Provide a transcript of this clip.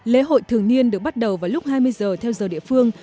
lễ hội thường niên được bắt đầu vào lúc hai mươi giờ theo giờ địa phương